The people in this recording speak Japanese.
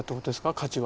価値は。